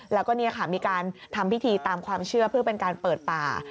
แล้วก็มีการทำพิธีตามความเชื่อเพื่อเป็นการเปิดป่า